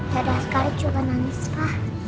ya udah sekali juga nangis pak